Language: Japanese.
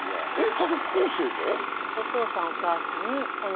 家族構成は？